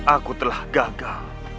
aku telah gagal